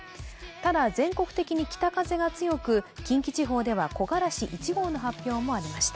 ただ、全国的に北風が強く、近畿地方では木枯らし１号の発表もありました。